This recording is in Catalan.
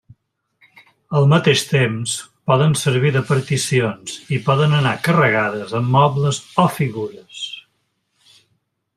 Al mateix temps, poden servir de particions i poden anar carregades amb mobles o figures.